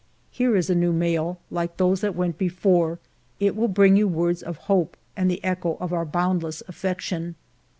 Here is a new mail ; like those that went before, it will bring you words of hope, and the echo of our boundless affection.